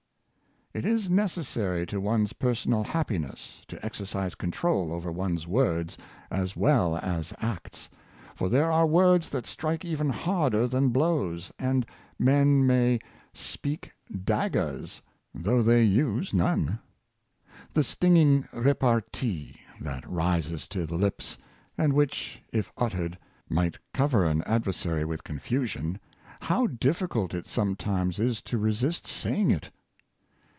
It is necessary to one's personal happiness, to exer cise control over one's words as well as acts: for there are words that strike even harder than blows; and men may *^ speak daggers," though they use none. The stinging repartee that rises to the lips, and which, if uttered, might cover an adversary with confusion, how difficult it sometimes is to resist saying it